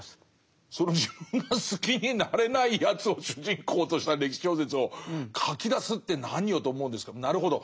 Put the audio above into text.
その自分が好きになれないやつを主人公とした歴史小説を書きだすって何よと思うんですけどもなるほど。